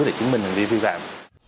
để chứng minh hành vi vi vạn